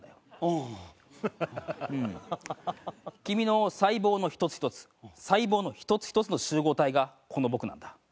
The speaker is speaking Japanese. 君の細胞の一つ一つ細胞の一つ一つの集合体がこの僕なんだ。